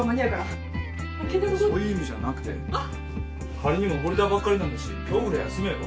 仮にも溺れたばっかりなんだし今日ぐらい休めば？